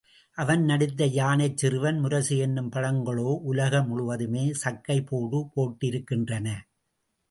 அவன் நடித்த யானைச் சிறுவன், முரசு என்னும் படங்களோ உலக முழுவதுமே சக்கைப் போடு போட்டிருக்கின்றன.